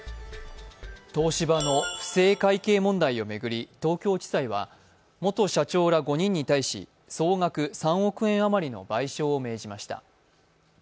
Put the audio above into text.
東芝の不正会計問題を巡り東京地裁は元社長ら５人に対し総額３億円余りの賠償を命じました。